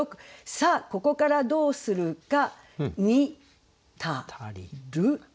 さあここからどうするか「似たる」。